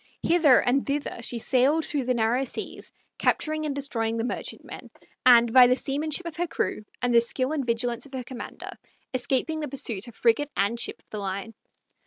Hither and thither she sailed through the narrow seas, capturing and destroying the merchantmen, and by the seamanship of her crew and the skill and vigilance of her commander, escaping the pursuit of frigate and ship of the line.